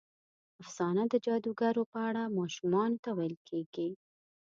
افسانه د جادوګرو په اړه ماشومانو ته ویل کېږي.